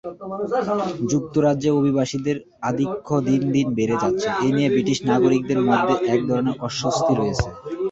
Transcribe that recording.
যুক্তরাজ্যে অভিবাসীদের আধিক্য দিন দিন বেড়ে যাচ্ছে এ নিয়ে ব্রিটিশ নাগরিকদের মধ্যে এক ধরনের অস্বস্তি রয়েছে।